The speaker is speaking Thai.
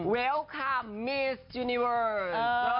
เวลคามมิสจูนิเวิร์ด